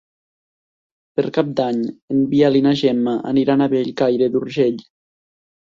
Per Cap d'Any en Biel i na Gemma aniran a Bellcaire d'Urgell.